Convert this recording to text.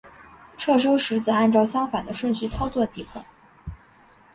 撤收时则按照相反的顺序操作即可。